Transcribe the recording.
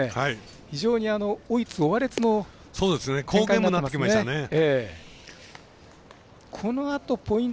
非常に追いつ追われつの展開になってきましたね。